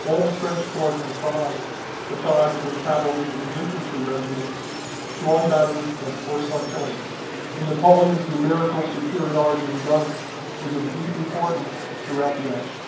All the French corps comprised, besides their cavalry and infantry regiments, strong batteries of horse artillery; and Napoleon's numerical superiority in guns was of deep importance throughout the action.